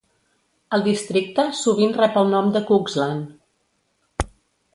El districte sovint rep el nom de Cuxland.